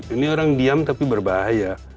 ini orang diam tapi berbahaya